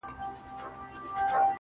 د خدای د بُتپرستو د شرابو ميکده ده~